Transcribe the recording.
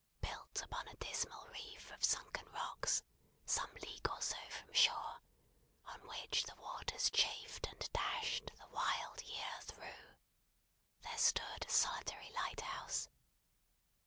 Built upon a dismal reef of sunken rocks, some league or so from shore, on which the waters chafed and dashed, the wild year through, there stood a solitary lighthouse.